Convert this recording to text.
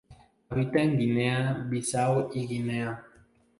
Habita en Guinea-Bissau y Guinea.